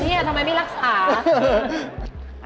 เนี่ยทำไมไม่รักษา